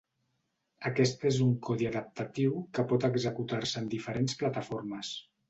Aquest és un codi adaptatiu que pot executar-se en diferents plataformes.